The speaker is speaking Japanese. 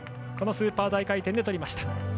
スーパー大回転でとりました。